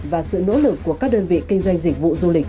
và sự nỗ lực của các đơn vị kinh doanh dịch vụ du lịch